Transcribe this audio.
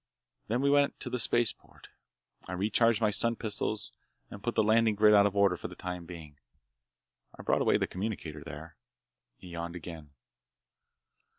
Then we went to the spaceport. I recharged my stun pistols and put the landing grid out of order for the time being. I brought away the communicator there." He yawned again.